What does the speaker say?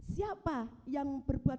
siapa yang berbuat ini